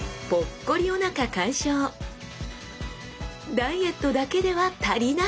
ダイエットだけでは足りない！